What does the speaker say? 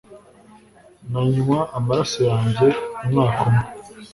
Nanywa amaraso yanjye umwaka umwe,